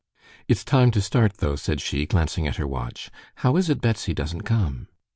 "It's time to start, though," said she, glancing at her watch. "How is it Betsy doesn't come?..."